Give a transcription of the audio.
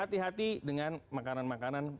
hati hati dengan makanan makanan